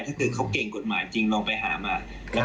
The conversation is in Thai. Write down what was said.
ถ้าเก่งกฎหมายจริงอย่างงี้ลองไปหาตัวเลย